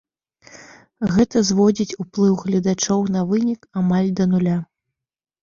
Гэта зводзіць уплыў гледачоў на вынік амаль да нуля.